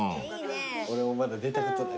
俺もまだ出たことなくて。